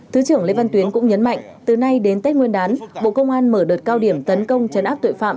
thứ trưởng lê văn tuyến cũng nhấn mạnh từ nay đến tết nguyên đán bộ công an mở đợt cao điểm tấn công chấn áp tội phạm